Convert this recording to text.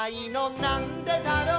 「なんでだろう」